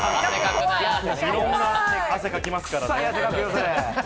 いろんな汗かきますからね。